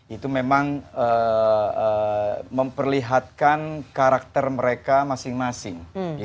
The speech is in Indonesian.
itu memang memperlihatkan karakter mereka masing masing